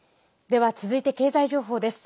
では、続いて経済情報です。